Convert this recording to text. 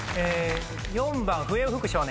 ４番笛を吹く少年。